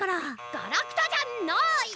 ガラクタじゃない！